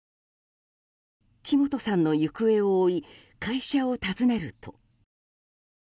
木本さんの行方を追い会社を訪ねると。